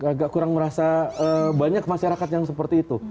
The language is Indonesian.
agak kurang merasa banyak masyarakat yang seperti itu